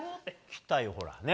来たよ、ほら、ね。